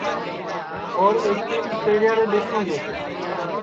اور ایکیم پیڑیاڑے ٻیسوں گے